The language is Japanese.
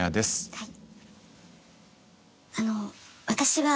はい。